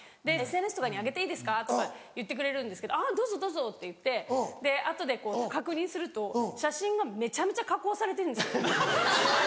「ＳＮＳとかに上げていいですか」とか言ってくれるんですけど「あぁどうぞどうぞ」って言って後で確認すると写真がめちゃめちゃ加工されてるんですよ。